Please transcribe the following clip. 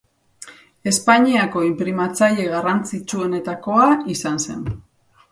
Espainiako inprimatzaile garrantzitsuenetakoa izan zen.